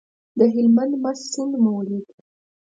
د هلمند مست سیند مو ولید.